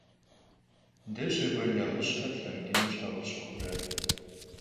Дэ щэкӀуэн нэхъыщхьэ тлъэмыкӀыну щхьэ къыфщыхъурэ?